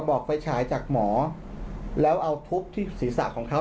ไฟฉายจากหมอแล้วเอาทุบที่ศีรษะของเขา